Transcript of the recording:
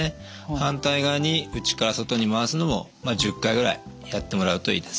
反対側に内から外に回すのも１０回ぐらいやってもらうといいです。